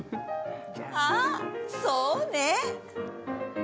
あっ、そうね。